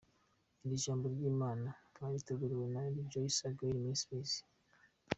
Iri Jambo ry’Imana mwariteguriwe na Rejoice Again Ministries.